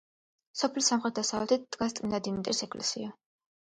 სოფლის სამხრეთ-დასავლეთით დგას წმინდა დიმიტრის ეკლესია.